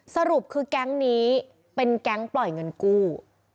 สรุปคือแก๊งนี้เป็นแก๊งปล่อยเงินกู้